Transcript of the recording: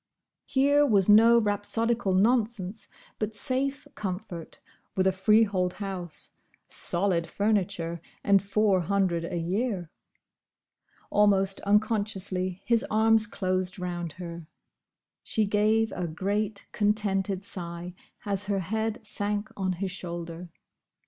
Here was no rhapsodical nonsense, but safe comfort, with a freehold house, solid furniture, and Four hundred a year. Almost unconsciously his arms closed round her. She gave a great, contented sigh, as her head sank on his shoulder.